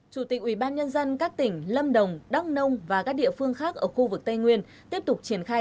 chủ tịch ubnd các tỉnh lâm đồng đắk nông và các địa phương khác ở khu vực tây nguyên tiếp tục triển khai